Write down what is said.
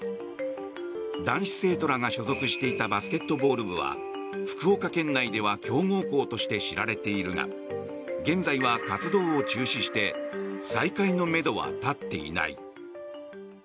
男子生徒らが所属していたバスケットボール部は福岡県内では強豪校として知られているが現在は活動を中止して再開のめどは立っていない。